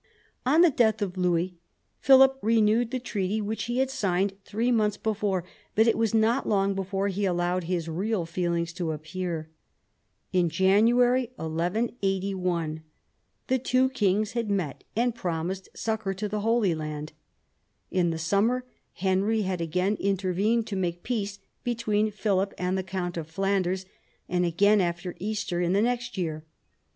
On the death of Louis, Philip renewed the treaty which he had signed three months before, but it was not long before he allowed his real feelings to appear. In January 1181 the two kings had met and promised succour to the Holy Land. In the summer, Henry had again intervened to make peace between Philip and the count of Flanders, and again after Easter in the next year.